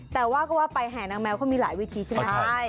แต่ว่าก็ว่าไปแห่นางแมวเขามีหลายวิธีใช่ไหมคะ